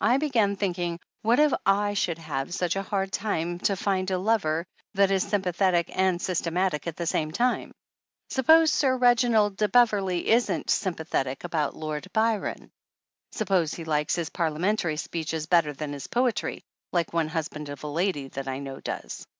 I began thinking: What if / should have such a hard time to find a lover that is sympa thetic and systematic at the same time? Sup pose Sir Reginald de Beverley isn't sympathetic about Lord Byron ! Suppose he likes his par liamentary speeches better than his poetry, like one husband of a lady that I know does